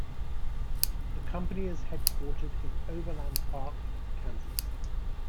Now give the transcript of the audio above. The company is headquartered in Overland Park, Kansas.